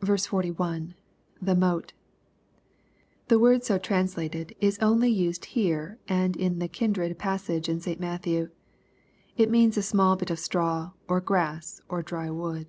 il. — [The mote,'] The word so translated is only used here and in the kindred passage in St. Matthew. It means a small bit of straw> or grass, or dry wood.